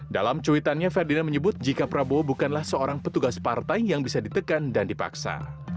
dalam cuitannya ferdinand menyebut jika prabowo bukanlah seorang petugas partai yang bisa ditekan dan dipaksa